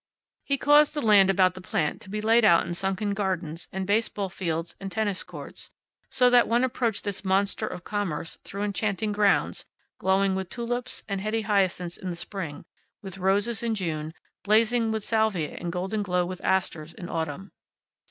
He caused the land about the plant to be laid out in sunken gardens and baseball fields and tennis courts, so that one approached this monster of commerce through enchanted grounds, glowing with tulips and heady hyacinths in spring, with roses in June, blazing with salvia and golden glow and asters in autumn.